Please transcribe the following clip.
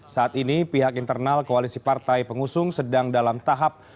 saat ini pihak internal koalisi partai pengusung sedang dalam tahap